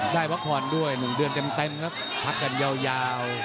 ได้พักผ่อนด้วยมุ่งเดือนเต็มพักกันยาว